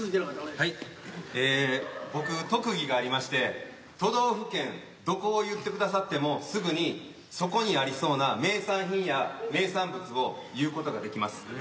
ええ僕特技がありまして都道府県どこを言ってくださってもすぐにそこにありそうな名産品や名産物を言うことができます。